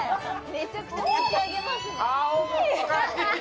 めちゃくちゃ持ち上げますね